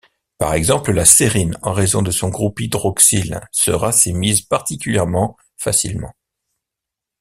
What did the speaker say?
Par exemple, la sérine, en raison de son groupe hydroxyle se racémise particulièrement facilement.